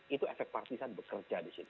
itu efek partisan bekerja di situ